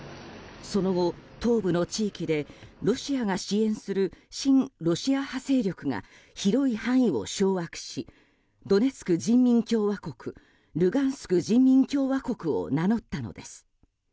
その後、東部の地域でロシアが支援する親ロシア派勢力が広い範囲を掌握しドネツク人民共和国ルガンスク人民共和国を名乗ったのです。